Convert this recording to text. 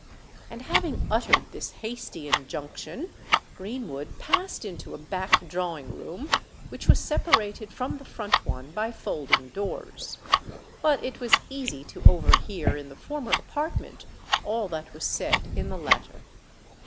And having uttered this hasty injunction, Greenwood passed into a back drawing room, which was separated from the front one by folding doors. But it was easy to overhear in the former apartment all that was said in the latter.